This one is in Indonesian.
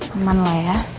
aman lah ya